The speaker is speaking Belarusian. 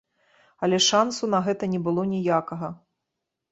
Але шансу на гэта не было ніякага.